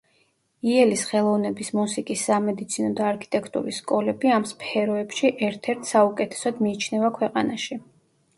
იელის ხელოვნების, მუსიკის, სამედიცინო და არქიტექტურის სკოლები ამ სფეროებში ერთ-ერთ საუკეთესოდ მიიჩნევა ქვეყანაში.